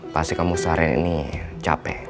pasti kamu seharian ini capek